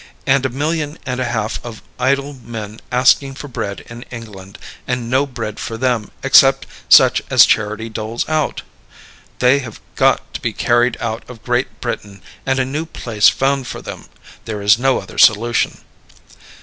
And a million and a half of idle men asking for bread in England, and no bread for them except such as charity doles out. They have got to be carried out of Great Britain and a new place found for them. There is no other solution.